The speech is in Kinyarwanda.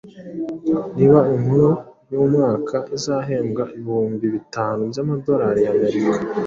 Niba inkuru y’umwaka izahembwa ibihumbi bitanu by’amadorari ya Amerika”.